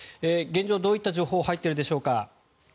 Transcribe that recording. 現状、どういった情報が入っているでしょうか。